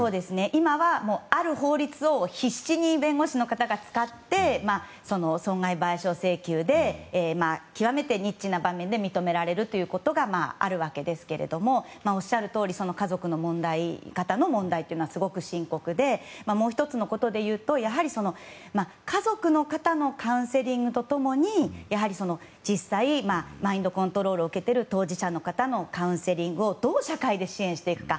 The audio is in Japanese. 今は、ある法律を必死に弁護士の方が使って損害賠償請求で極めてニッチな場面で認められるということがあるわけですがおっしゃるとおり家族の問題というのはすごく深刻でもう１つのことでいうとやはり、家族の方のカウンセリングと共に実際、マインドコントロールを受けている当事者の方のカウンセリングをどう社会で支援していくか。